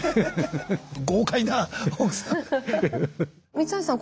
豪快な奥さん。